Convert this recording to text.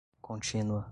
contínua